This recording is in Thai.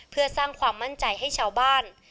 เพื่อสร้างความมั่นใจให้ชาวบ้าน